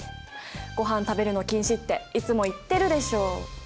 ごはん食べるの禁止っていつも言ってるでしょ。